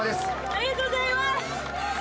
ありがとうございます。